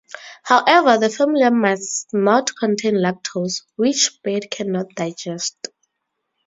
However, the formula must not contain lactose, which birds cannot digest.